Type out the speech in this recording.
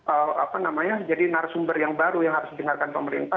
apa namanya jadi narasumber yang baru yang harus didengarkan pemerintah